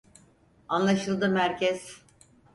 Anlaşıldı merkez.